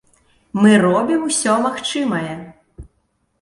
Мы робім усё магчымае!